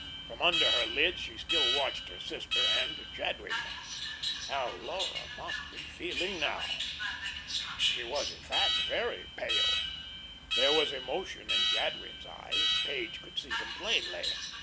From under her lids she still watched her sister and Jadwin. How Laura must be feeling now! She was, in fact, very pale. There was emotion in Jadwin's eyes. Page could see them plainly.